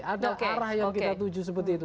ada arah yang kita tuju seperti itu